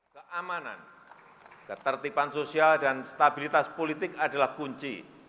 keamanan ketertiban sosial dan stabilitas politik adalah kunci